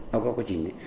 nó có quá trình